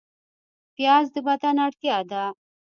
پیاز د بدن اړتیا ده